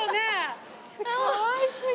かわいすぎ。